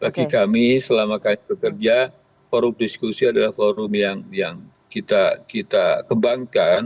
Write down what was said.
bagi kami selama kami bekerja forum diskusi adalah forum yang kita kembangkan